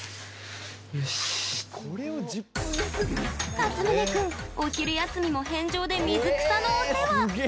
かつむね君お昼休みも返上で水草のお世話。